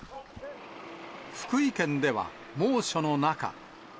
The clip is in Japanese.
福井県では猛暑の中。